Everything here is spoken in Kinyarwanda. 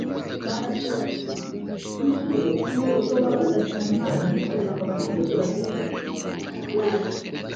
Baratorariywa, nubwo baba badatunganye kugira ngo bahindurwe bagire ishusho yayo,